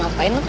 ah jadi malu